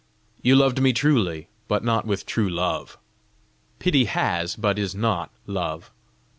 You loved me truly, but not with true love. Pity has, but is not love.